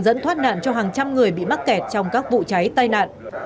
dẫn thoát nạn cho hàng trăm người bị mắc kẹt trong các vụ cháy tai nạn